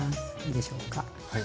いいでしょうか。